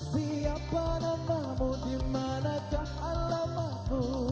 siapa namamu dimanakah alamamu